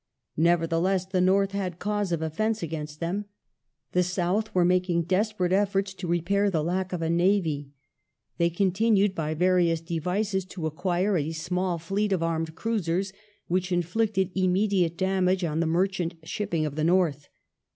^ Nevertheless, the North had cause of offence against them. The South were making desperate efforts to repair the lack of a navy. They continued, by various devices, to acquire a small fleet of armed cruisers, which inflicted immediate damage on the merchant shipping of the North.